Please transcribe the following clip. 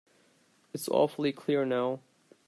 It's awfully clear now.